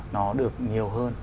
nó được nhiều hơn